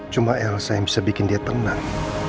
cuma elsa yang bisa bikin dia tenang